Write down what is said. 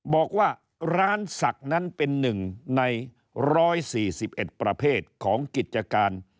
บอกว่าร้านศักดิ์นั้นเป็นหนึ่งใน๑๔๑ประเภทของกิจการ